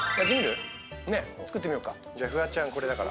フワちゃん、これだから。